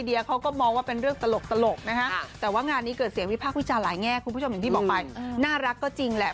อีกภาควิจารณ์หลายแง่คุณผู้ชมคุณพี่บอกไปน่ารักก็จริงแหละ